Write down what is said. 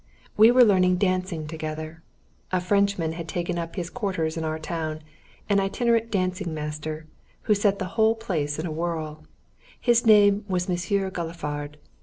We were learning dancing together. A Frenchman had taken up his quarters in our town, an itinerant dancing master, who set the whole place in a whirl. His name was Monsieur Galifard.